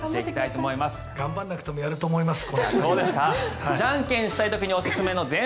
頑張らなくてもやると思います。